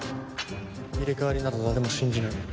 入れ替わりなど誰も信じない。